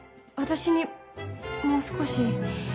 私にもう少し。